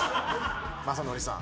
雅紀さん。